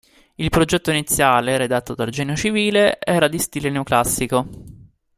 Il progetto iniziale, redatto dal Genio civile, era di stile neoclassico.